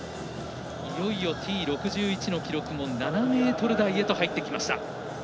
いよいよＴ６１の記録も７ｍ台へと入ってきました。